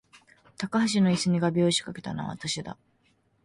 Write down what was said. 高橋の椅子に画びょうを仕掛けたのは私だ